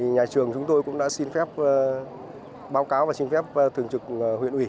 nhà trường chúng tôi cũng đã xin phép báo cáo và xin phép thường trực huyện ủy